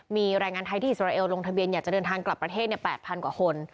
มีแรงงานไทยที่อิสราเอลลงทะเบียนอยากจะเดินทางกลับประเทศ๘๐๐กว่าคน